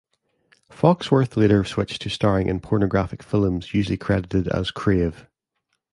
Foxworth later switched to starring in pornographic films, usually credited as "Crave".